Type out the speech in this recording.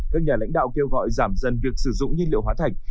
các nhà lãnh đạo kêu gọi giảm dần việc sử dụng nhiên liệu hóa thạch